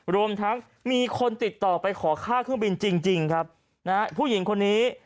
รวมทั้งมีคนติดต่อไปขอค่าเครื่องบินจริงครับนะฮะผู้หญิงคนนี้